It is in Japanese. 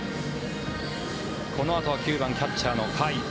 このあとは９番、キャッチャーの甲斐。